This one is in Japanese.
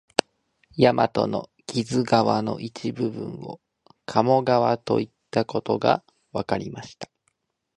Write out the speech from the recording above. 大和の木津川の一部分を鴨川といったことがわかりました